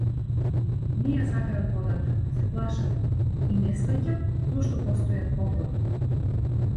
Не ја сакаат водата, се плашат, и не сфаќам зошто постојат походи.